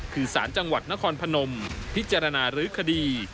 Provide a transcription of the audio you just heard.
คือสารจังหวัดนครพนมพิจารณารื้อคดี